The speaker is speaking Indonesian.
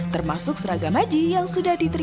termasuk seragam haji yang sudah diterima